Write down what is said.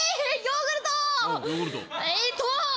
えっと。